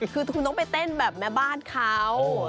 คือคุณต้องไปเต้นแบบแม่บ้านเขา